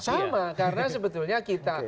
sama karena sebetulnya kita